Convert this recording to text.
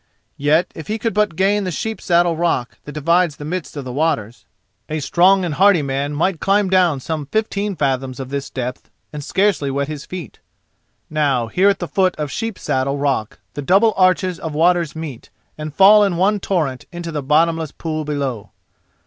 Yet if he could but gain the Sheep saddle rock that divides the midst of the waters, a strong and hardy man might climb down some fifteen fathoms of this depth and scarcely wet his feet. Now here at the foot of Sheep saddle rock the double arches of waters meet, and fall in one torrent into the bottomless pool below.